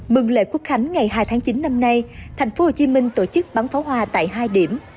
mừng lễ quốc khánh ngày hai tháng chín năm nay thành phố hồ chí minh tổ chức bắn pháo hoa tại hai điểm